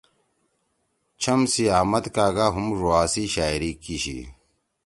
چھم سی احمد کاگا ہُم ڙوا سی شاعری کیِشی۔